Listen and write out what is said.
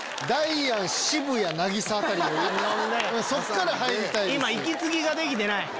そっから入りたいです。